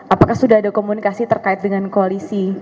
apakah sudah ada komunikasi terkait dengan koalisi